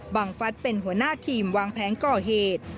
ฟัฐเป็นหัวหน้าทีมวางแผนก่อเหตุ